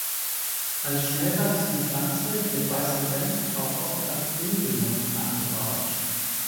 Als schnellwachsende Pflanze wird weißer Senf auch oft als Gründüngung angebaut.